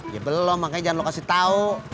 ya belum makanya jangan lo kasih tahu